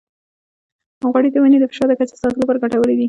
غوړې د وینې د فشار د کچې ساتلو لپاره ګټورې دي.